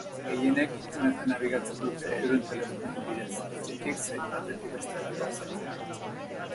Gehienek interneten nabigatzen dute euren telefonoen bidez, etxetik zein batetik bestera doazela.